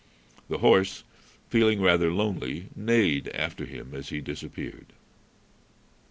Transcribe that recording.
The horse, feeling rather lonely, neighed after him as he disappeared.